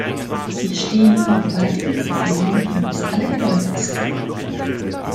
Wir stehen vor gewaltigen Problemen, die uns alle geläufig sind.